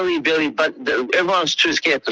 lebih baik mereka memiliki